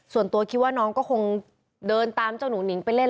ส่วนตัวคิดว่าน้องก็คงเดินตามเจ้าหนูหนิงไปเล่น